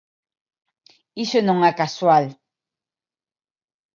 Iso non é casual.